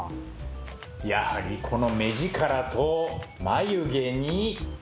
やはりこの目力と眉毛に。